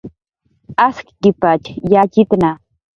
Askkipatx yatxitna